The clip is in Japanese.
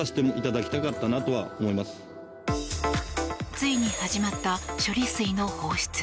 ついに始まった処理水の放出。